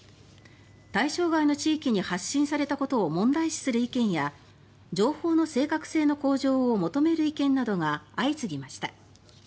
対象外の地域に発信されたことを問題視する意見や情報の正確性の向上を求める意見などが相次ぎました。